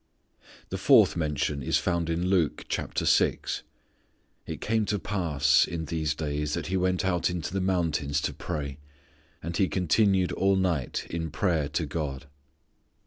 The fourth mention is found in Luke, chapter six. "It came to pass in these days that He went out into the mountains to pray, and He continued all night in prayer to God."